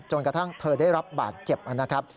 กระทั่งเธอได้รับบาดเจ็บนะครับ